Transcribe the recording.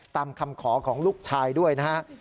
ตามคำขอของลูกชายด้วยนะฮะ